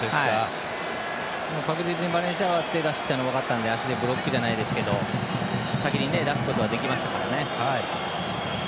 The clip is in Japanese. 確実にバレンシアは手を出してきたのが分かったので足でブロックじゃないですけど先に出すことができましたからね。